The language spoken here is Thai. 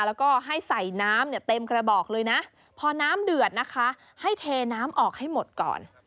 แล้วก็ให้ใส่น้ำเนี่ยเต็มกระบอกเลยนะพอน้ำเดือดนะคะให้เทน้ำออกให้หมดก่อน